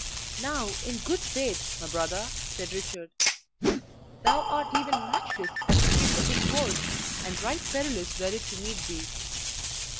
"Now, in good faith, my brother," said Richard, "thou art even matchless at the trick of the sword, and right perilous were it to meet thee.